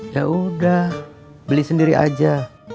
yaudah beli sendiri aja